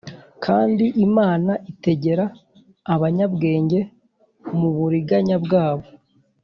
Kandi imana itegera abanyabwenge muburiganyabwabo